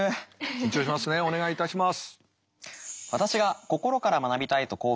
緊張しますねお願いいたします。